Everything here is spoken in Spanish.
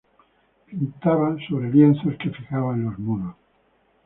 Pintaba sobre lienzos que fijaba en los muros.